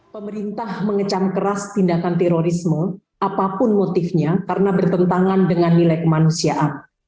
pemerintah mengecam keras tindakan terorisme apapun motifnya karena bertentangan dengan nilai kemanusiaan